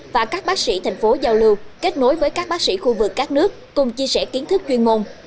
và các bác sĩ thành phố giao lưu kết nối với các bác sĩ khu vực các nước cùng chia sẻ kiến thức chuyên môn